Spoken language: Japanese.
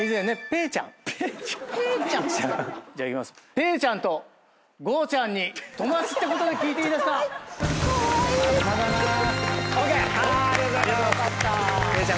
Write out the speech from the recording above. ぺーちゃんとごうちゃんに友達ってことで聞いていいですか？